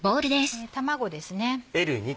卵ですね。